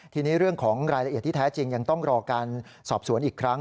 ทีนี้เรื่องของรายละเอียดที่แท้จริงยังต้องรอการสอบสวนอีกครั้ง